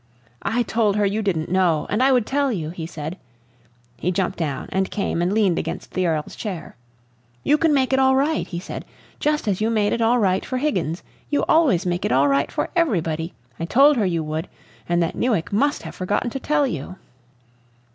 "I told her you didn't know, and I would tell you," he said. He jumped down and came and leaned against the Earl's chair. "You can make it all right," he said, "just as you made it all right for Higgins. You always make it all right for everybody. I told her you would, and that Newick must have forgotten to tell you."